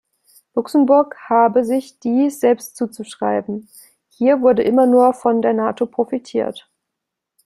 Luxemburg habe sich dies selbst zuzuschreiben: „Hier wurde immer nur von der Nato profitiert.